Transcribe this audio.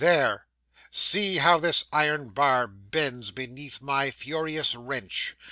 There see how this iron bar bends beneath my furious wrench.